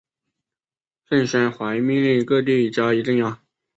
盛宣怀命令各地加以镇压。